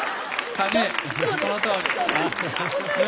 影絵そのとおり。